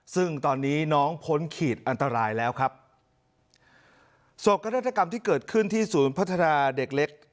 ซึ่งตอนนี้น้องพ้นขีดอันตรายแล้วครับโศกนาฏกรรมที่เกิดขึ้นที่ศูนย์พัฒนาเด็กเล็ก